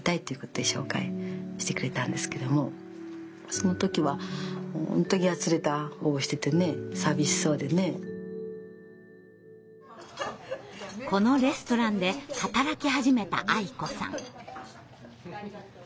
その時はこのレストランで働き始めたあい子さん。